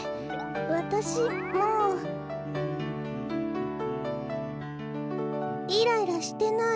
わたしもうイライラしてない。